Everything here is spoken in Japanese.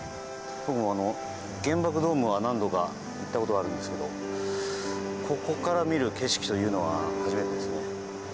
原爆ドームは何度か行ったことがあるんですけどここから見る景色というのは初めてですね。